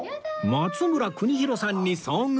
松村邦洋さんに遭遇